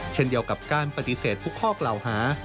เช่นเดียวกับการปฏิเสธทุกข้อกล่าวหา